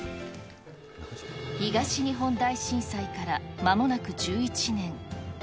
東日本大震災からまもなく１１年。